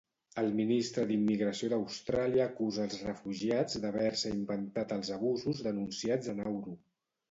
El ministre d'Immigració d'Austràlia acusa els refugiats d'haver-se inventat els abusos denunciats a Nauru.